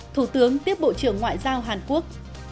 thủ tướng tiếp bộ trưởng ngoại giao hàn quốc